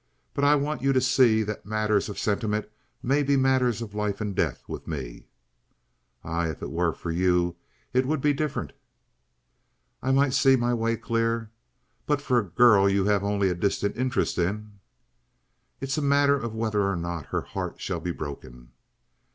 But I want you to see that matters of sentiment may be matters of life and death with me." "Aye, if it were for you it would be different. I might see my way clear but for a girl you have only a distant interest in " "It is a matter of whether or not her heart shall be broken."